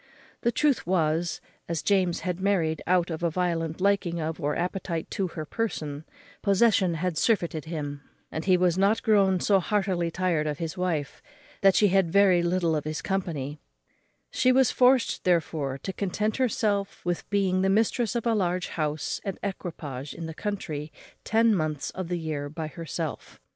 The truth was, as James had married out of a violent liking of, or appetite to, her person, possession had surfeited him, and he was now grown so heartily tired of his wife, that she had very little of his company; she was forced therefore to content herself with being the mistress of a large house and equipage in the country ten months in the year by herself.